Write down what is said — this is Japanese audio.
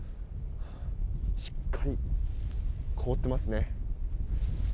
しっかり凍ってますね。